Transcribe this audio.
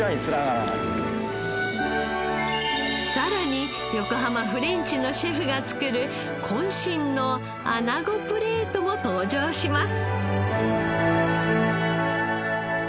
さらに横浜フレンチのシェフが作る渾身のアナゴプレートも登場します。